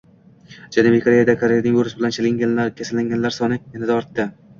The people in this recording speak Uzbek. Janubiy Koreyada koronavirus bilan kasallanganlar soni yana ortdi